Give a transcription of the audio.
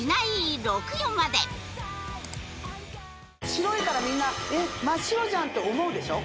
白いからみんな真っ白じゃんって思うでしょ